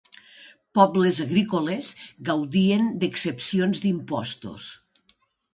Pobles agrícoles gaudien d'exempcions d'impostos.